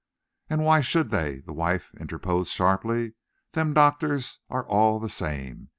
"And why should they?" his wife interposed sharply. "Them doctors are all the same.